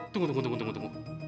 tunggu tunggu tunggu tunggu